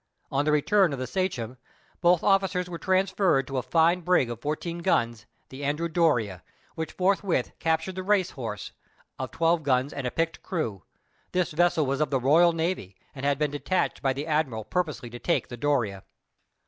On the return of the Sachem, both officers were transferred to a fine brig of fourteen guns, the Andrew Doria, which forthwith captured the Racehorse, of twelve guns and a picked crew. This vessel was of the Royal Navy, and had been detached by the Admiral purposely to take the Doria.